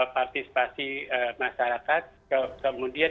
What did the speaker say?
partisipasi masyarakat kemudian